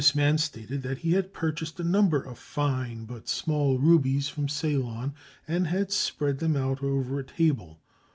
This man stated that he had purchased a number of fine but small rubies from Ceylon, and had spread them out over a table.